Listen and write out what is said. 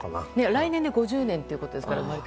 来年で５０年ということですから。